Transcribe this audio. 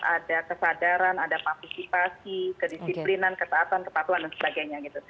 ada kesadaran ada maksipasi kedisiplinan ketaatan kepatuan dan sebagainya